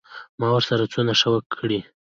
ما ورسره څونه ښه کړي.